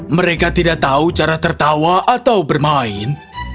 mereka tidak tahu cara tertawa atau bermain